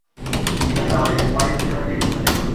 ঠিক আছে, তাহলে ওয়াইন সেলারটাই ঠিক করে দেখতে হবে।